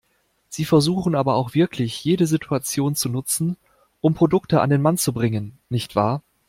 Sie versuchen aber auch wirklich jede Situation zu nutzen, um Produkte an den Mann zu bringen, nicht wahr?